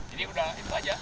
jadi udah itu aja